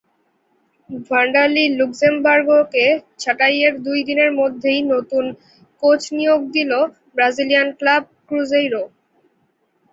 Vanderlei লুক্সেমবার্গোকে ছাঁটাইয়ের দুই দিনের মধ্যেই নতুন কোচ নিয়োগ দিল ব্রাজিলিয়ান ক্লাব ক্রুজেইরো।